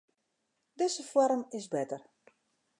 Dizze foarm is better.